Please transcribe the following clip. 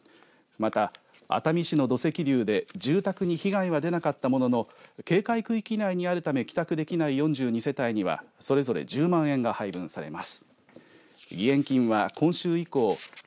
また熱海市の土石流で住宅に被害は出なかったものの警戒区域内にあるため帰宅できない４２世帯にはそれぞれ１０万円が配分されます。